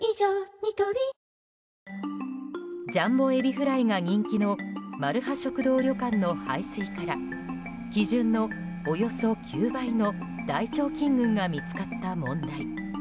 ニトリジャンボエビフライが人気のまるは食堂旅館の排水から基準のおよそ９倍の大腸菌群が見つかった問題。